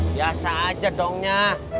biasa aja dongnya